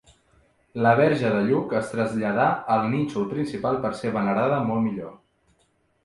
La verge de Lluc es traslladà al nínxol principal per ser venerada molt millor.